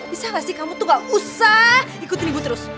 bisa gak sih kamu tuh gak usah ikut ribut terus